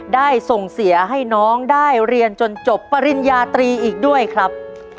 ได้ส่งเสียให้น้องได้เรียนจนจบปริญญาตรีอีกด้วยครับ